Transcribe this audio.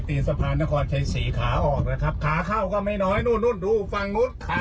นี้แรนในสุดนะครับรถเล็กอย่ามาเลยนะครับ